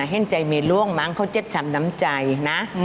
เห็นใจเมียล่วงมั้งเขาเจ็บช้ำน้ำใจนะ